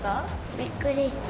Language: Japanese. びっくりした。